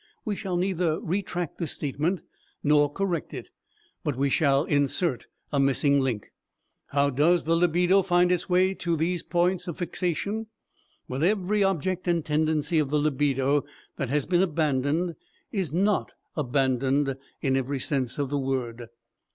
We shall neither retract this statement nor correct it, but we shall insert a missing link. How does the libido find its way to these points of fixation? Well, every object and tendency of the libido that has been abandoned, is not abandoned in every sense of the word.